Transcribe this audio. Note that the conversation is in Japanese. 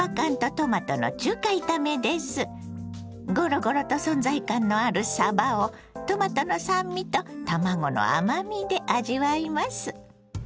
ごろごろと存在感のあるさばをトマトの酸味と卵の甘みで味わいます。